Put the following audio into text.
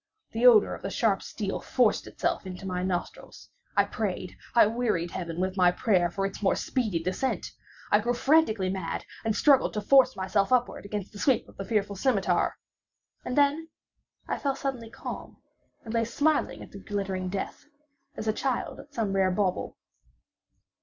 The odor of the sharp steel forced itself into my nostrils. I prayed—I wearied heaven with my prayer for its more speedy descent. I grew frantically mad, and struggled to force myself upward against the sweep of the fearful scimitar. And then I fell suddenly calm, and lay smiling at the glittering death, as a child at some rare bauble.